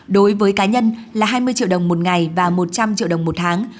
đối với cá nhân là hai mươi triệu đồng một ngày và một trăm linh triệu đồng một tháng